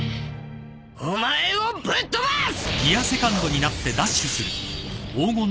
お前をぶっ飛ばす！